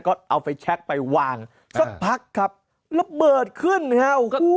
ก็เอาไฟแชคไปวางสักพักครับระเบิดขึ้นอ่ะนะฮะโอ๋